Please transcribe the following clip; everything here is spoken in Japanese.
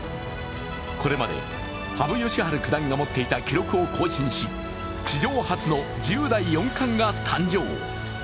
これまで羽生善治九段が持っていた記録を更新し、史上初の１０代四冠が誕生。